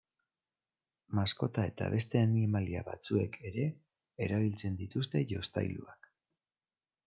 Maskota eta beste animalia batzuek ere erabiltzen dituzte jostailuak.